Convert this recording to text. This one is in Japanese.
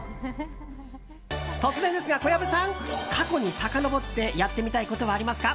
突然ですが、小籔さん過去にさかのぼってやってみたいことはありますか？